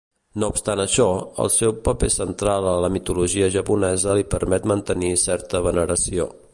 No obstant això, el seu paper central a la mitologia japonesa li permet mantenir certa veneració.